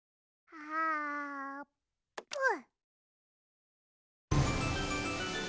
あぷん？